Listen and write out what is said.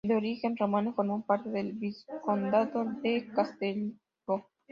De origen romano, formó parte del vizcondado de Castellbó.